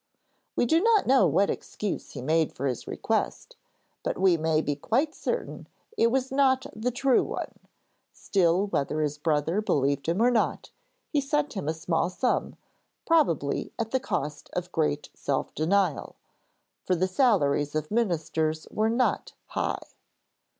We do not know what excuse he made for his request, but we may be quite certain it was not the true one; still whether his brother believed him or not, he sent him a small sum, probably at the cost of great self denial, for the salaries of ministers were not high.